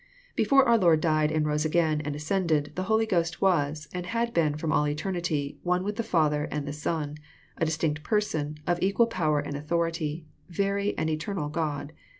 — Before our Lord died and rose again and ascended, the i Holy Ghost was, and had been from all eternity, one with the | Father and the Son, a distinct Person, of equal power and | authority, very and eternal God.